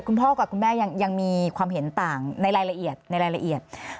คุณพ่อกับคุณแม่ยังมีความเห็นต่างในรายละเอียด